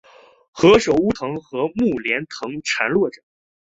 何首乌藤和木莲藤缠络着